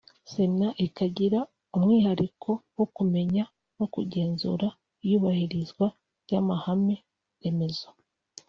Sena ikagira umwihariko wo kumenya no kugenzura iyubahirizwa ry’amahame remezo